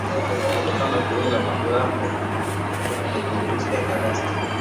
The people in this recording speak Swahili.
Uki penda ku uza pango yako wende ku ofisi ya cadastre